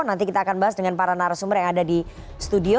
nanti kita akan bahas dengan para narasumber yang ada di studio